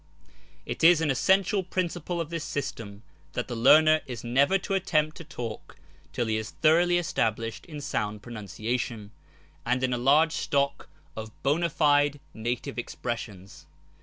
It is an essential principle of this system that the learner is never to attempt to talk till he is thoroughly established in sound pronunciation, and in a large stock of hand fide native expressions.